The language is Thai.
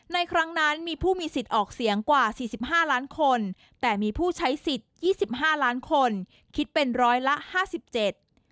ในครั้งนั้นมีผู้มีสิทธิ์ออกเสียงกว่าสี่สิบห้าล้านคนแต่มีผู้ใช้สิทธิ์ยี่สิบห้าล้านคนคิดเป็นร้อยละห้าสิบเจ็ด